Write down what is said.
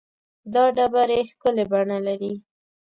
دا ډبرې ښکلې بڼه لري.